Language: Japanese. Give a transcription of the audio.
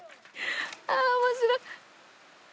ああ面白い。